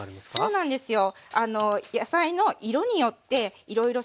そうなんですよ。